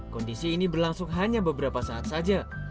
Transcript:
kondisi ini berlangsung hanya beberapa saat saja